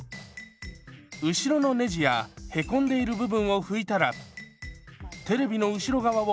後ろのネジや凹んでいる部分を拭いたらテレビの後ろ側を半分ずつ拭きます。